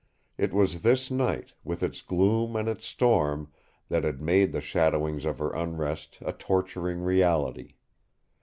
It was this night, with its gloom and its storm, that had made the shadowings of her unrest a torturing reality.